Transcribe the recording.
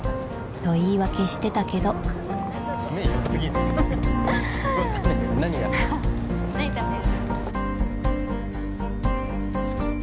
と言い訳してたけど何食べる？